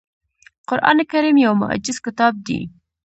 قرآن کریم یو معجز کتاب دی .